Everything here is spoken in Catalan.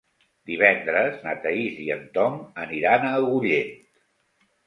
Divendres na Thaís i en Tom aniran a Agullent.